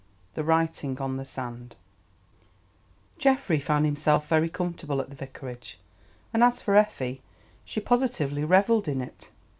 THE WRITING ON THE SAND Geoffrey found himself very comfortable at the Vicarage, and as for Effie, she positively revelled in it.